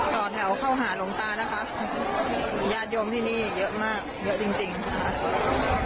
ต่อแถวเข้าหาหลวงตานะคะญาติโยมที่นี่เยอะมากเยอะจริงจริงค่ะ